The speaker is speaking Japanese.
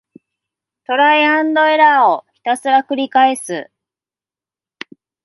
トライアンドエラーをひたすらくりかえす